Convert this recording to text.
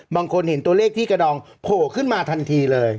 บางคนเห็นตัวเลขที่กระดองโผล่ขึ้นมาทันทีเลย